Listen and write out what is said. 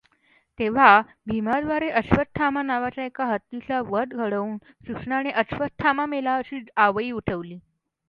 तेंव्हा भीमाद्वारे अश्वत्थामा नावाच्या एका हत्तीचा वध घडवून कृष्णाने अश्वत्थामा मेला अशी आवई उठवली.